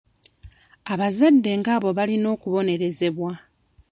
Abazadde ng'abo balina okubonerezebwa.